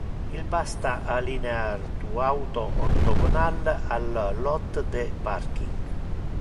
Il basta alinear tu auto orthogonal al lot de parking.